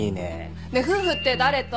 ねえ夫婦って誰と誰が？